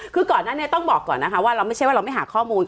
คือก่อนนั้นเนี่ยต้องบอกก่อนนะคะว่าเราไม่ใช่ว่าเราไม่หาข้อมูล